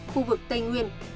khu vực tây nguyên